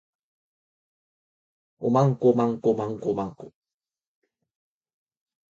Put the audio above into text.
度をこしたぜいたくをし、不道徳な楽しみにふけること。